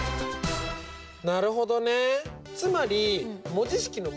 なるほどね。